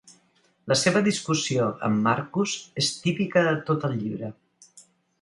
La seva discussió amb Marcus és típica de tot el llibre.